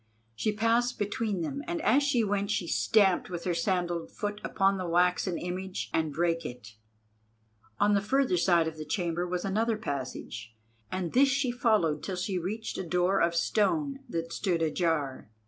She passed between them, and as she went she stamped with her sandalled foot upon the waxen image and brake it. On the further side of the chamber was another passage, and this she followed till she reached a door of stone that stood ajar.